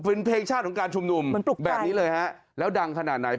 เป็นเพลงชาติของการชุมนุมมันปลุกแบบนี้เลยฮะแล้วดังขนาดไหน